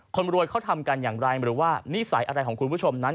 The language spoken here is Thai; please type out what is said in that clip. คนรวยเขาทำกันอย่างไรหรือว่านิสัยอะไรของคุณผู้ชมนั้น